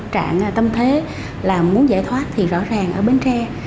trạng tâm thế là muốn giải thoát thì rõ ràng ở bến tre